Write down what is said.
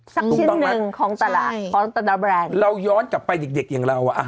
สักชิ้นนึงของตลาดแบรนด์สักชิ้นนึงเราย้อนกลับไปนิตเด็กอย่างเราอะ